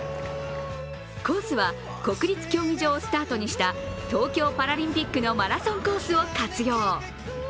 コースは、国立競技場をスタートにした東京パラリンピックのマラソンコースを活用。